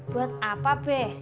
buat apa be